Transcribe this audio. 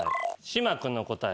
島君の答え。